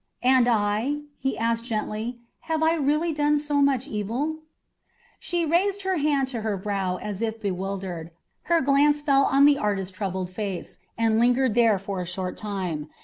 "And I?" he asked gently. "Have I really done you so much evil?" She raised her hand to her brow as if bewildered; her glance fell on the artist's troubled face, and lingered there for a short time.